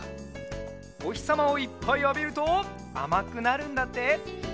おひさまをいっぱいあびるとあまくなるんだって！